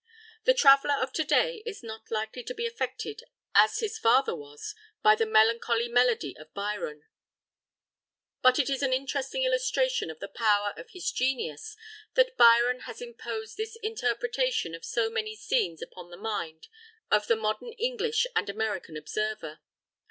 The traveller of to day is not likely to be affected as his father was by the melancholy melody of Byron; but it is an interesting illustration of the power of his genius that Byron has imposed his interpretation of so many scenes upon the mind of the modern English and American observer.